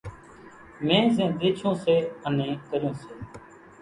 مين زين ۮيڇون سي انين ڪريون سي۔